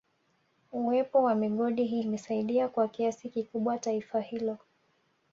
Uwepo wa migodi hii imesaidia kwa kiasi kikubwa taifa hilo